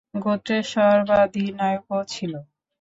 গোত্রের সর্বাধিনায়কও ছিল।